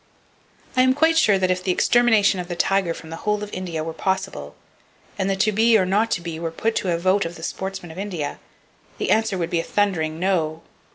I am quite sure that if the extermination of the tiger from the whole of India were possible, and the to be or not to be were put to a vote of the sportsmen of India, the answer would be a thundering "No!"